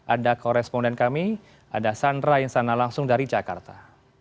ada koresponden kami ada sandra insana langsung dari jakarta